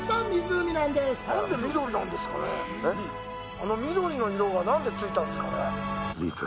あの緑の色が何でついたんですかね？